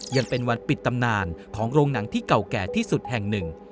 ยังเป็นวันปิดตำนานของโรงหนังที่เก่าแก่ที่สุดแห่งหนึ่ง